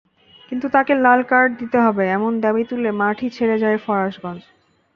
কিন্তু তাঁকে লাল কার্ড দিতে হবে—এমন দাবি তুলে মাঠই ছেড়ে যায় ফরাশগঞ্জ।